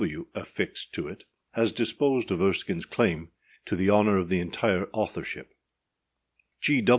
W. affixed to it, has disposed of Erskineâs claim to the honour of the entire authorship.